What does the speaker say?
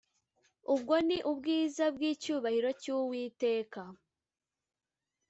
ubwo ni ubwiza bw’icyubahiro cy’uwiteka